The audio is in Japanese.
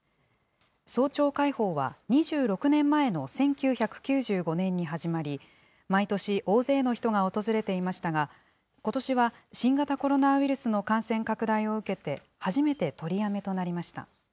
早朝開放は２６年前の１９９５年に始まり、毎年、大勢の人が訪れていましたが、ことしは新型コロナウイルスの感染拡大を受けて、初めて取りやめとなりました。